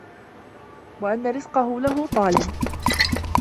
وَأَنَّ رِزْقَهُ لَهُ طَالِبٌ